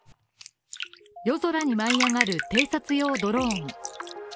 夜空に舞い上がる偵察用ドローン。